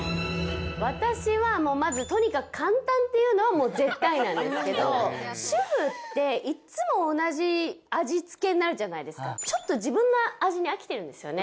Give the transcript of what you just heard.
私はもうまずとにかく簡単っていうのはもう絶対なんですけど主婦っていっつも同じ味付けになるじゃないですかちょっと自分の味に飽きてるんですよね